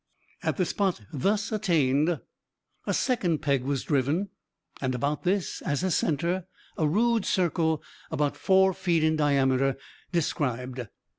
At the spot thus attained a second peg was driven, and about this, as a centre, a rude circle, about four feet in diameter, described.